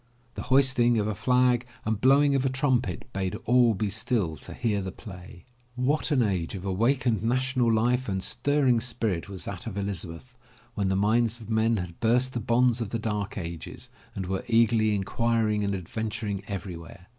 The hoisting of a flag and blowing of a trumpet bade all be still to hear the play. What an age of awakened national life and stirring spirit was that of Elizabeth, when the minds of men had burst the bonds of the Dark Ages and were eagerly inquiring and adventuring every where.